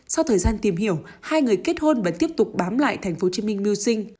sau thời gian tìm hiểu hai người kết hôn và tiếp tục bám lại tp hcm mưu sinh